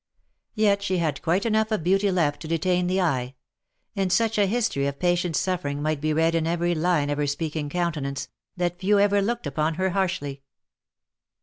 Yet she had quite enough of beauty left to detain the eye ; and such a history of patient suffering might be read in every line of her speaking countenance, that few ever looked upon her harshly.